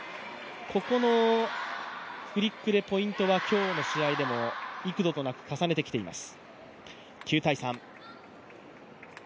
ここのフリックでポイントは今日の試合でも幾度となく重ねてきています。